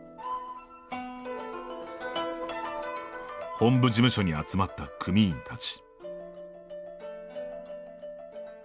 本部事務所に集まった組員たち。